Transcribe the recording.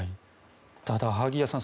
ただ、萩谷さん